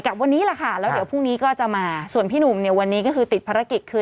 กลับวันนี้เดี๋ยวพรุ่งนี้ก็จะมาส่วนพี่หนุ่มวันนี้ติดภารกิจคือ